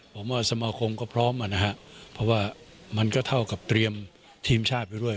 ผมว่าสมาคมก็พร้อมอ่ะนะฮะเพราะว่ามันก็เท่ากับเตรียมทีมชาติไปด้วย